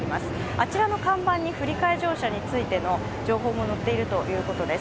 あちらの看板に振り替え乗車についての情報が載っているということです。